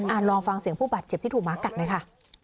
ลองฟังเสียงผู้บาดเจ็บที่ถูกหมากัดหน่อยค่ะ